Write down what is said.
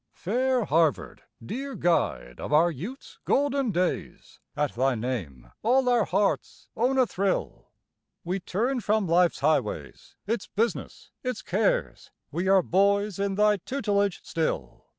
Fair Harvard, dear guide of our youth's golden days; At thy name all our hearts own a thrill, We turn from life's highways, its business, its cares, We are boys in thy tutelage still.